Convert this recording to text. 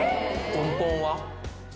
根本は。